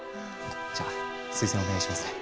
じゃあ推薦お願いしますね！